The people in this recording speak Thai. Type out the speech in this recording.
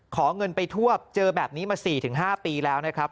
ขอเงินไปทั่วเจอแบบนี้มา๔๕ปีแล้วนะครับ